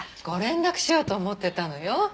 ご連絡しようと思ってたのよ。